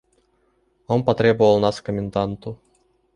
Он потребовал нас к коменданту.